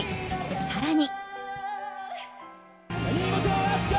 更に。